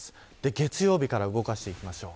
月曜日から動かしていきましょう。